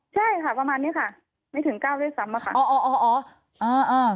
ใช่ค่ะประมาณนี้ค่ะไม่ถึงเก้าด้วยซ้ำอะค่ะ